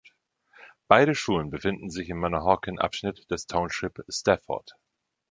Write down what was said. Beide Schulen befinden sich im Manahawkin-Abschnitt des Township Stafford.